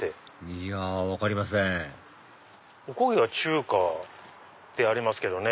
いや分かりませんおこげは中華でありますけどね。